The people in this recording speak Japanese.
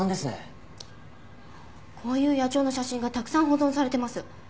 こういう野鳥の写真がたくさん保存されてます。